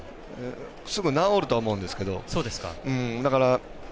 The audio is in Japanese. すぐ直るとは思うんですけど。